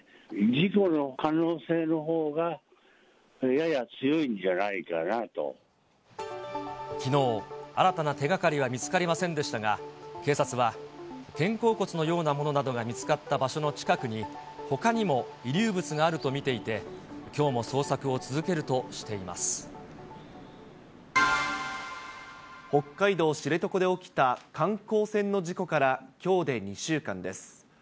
事故の可能性のほうが、きのう、新たな手がかりは見つかりませんでしたが、警察は、肩甲骨のようなものなどが見つかった場所の近くに、ほかにも遺留物があると見ていて、きょうも捜索を続けるとしていま北海道知床で起きた観光船の事故からきょうで２週間です。